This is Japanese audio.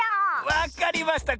わかりました。